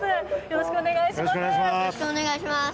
よろしくお願いします。